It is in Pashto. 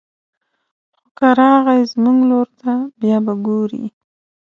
خو که راغی زموږ لور ته بيا به ګوري